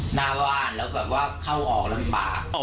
หน้าว่านแล้วเข้าออกลำบาก